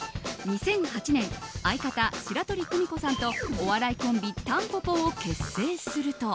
２００８年相方・白鳥久美子さんとお笑いコンビ、たんぽぽを結成すると。